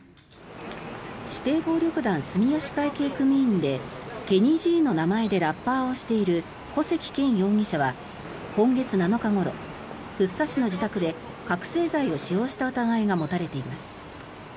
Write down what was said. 指定暴力団住吉会系組員でＫＥＮＮＹＧの名前でラッパーをしている古関健容疑者は今月７日ごろ福生市の自宅で覚醒剤を使用した疑いが持たれています。